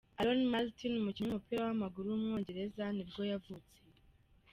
Aaron Martin, umukinnyi w’umupira w’amaguru w’umwongereza nibwo yavutse.